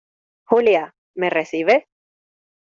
Julia, ¿ me recibe?